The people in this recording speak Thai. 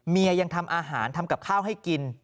ยังทำอาหารทำกับข้าวให้กิน